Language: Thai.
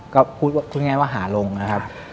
ก็พูดง่ายว่าหาลงนะครับ